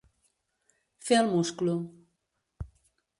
Fer el musclo.